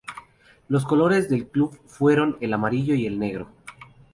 Los colores del club fueron el amarillo y el negro.